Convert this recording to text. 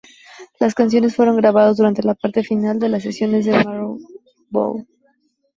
Las canciones fueron grabadas durante la parte final de las sesiones de "Mirror Ball".